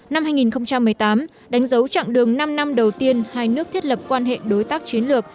năm hai nghìn một mươi tám đánh dấu chặng đường năm năm đầu tiên hai nước thiết lập quan hệ đối tác chiến lược